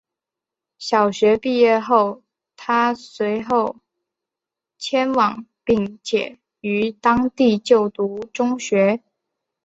小学毕业后她随后迁往并且于当地就读中学。